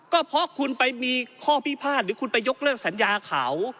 ก็เพราะคุณไปมีข้อพิพาทหรือคุณไปยกเลิกสัญญาเขา